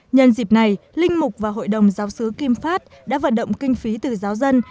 nhân dịp này linh mục và hội đồng giáo sứ kim phát đã vận động kinh phí từ giáo dân